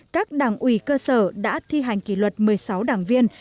các đảng ủy cơ sở đã thi hành kỷ luật một mươi sáu đảng viên